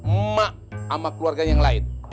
emak sama keluarganya yang lain